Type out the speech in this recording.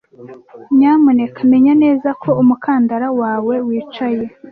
Nyamuneka menya neza ko umukandara wawe wicaye.